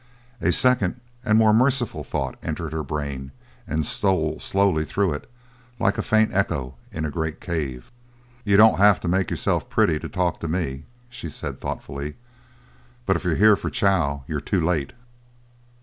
A second and more merciful thought entered her brain and stole slowly through it, like a faint echo in a great cave. "You don't have to make yourself pretty to talk to me," she said thoughtfully. "But if you're here for chow you're too late."